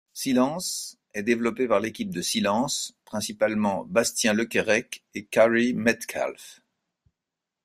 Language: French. Silence est développé par l’équipe de Silence, principalement Bastien Le Querrec et Carey Metcalfe.